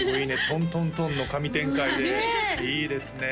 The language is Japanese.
トントントンの神展開でいいですね